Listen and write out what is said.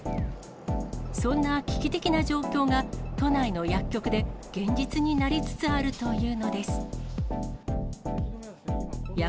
そんな危機的な状況が、都内の薬局で現実になりつつあるというのです。